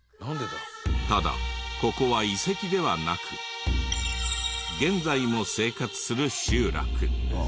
ただここは遺跡ではなく現在も生活する集落。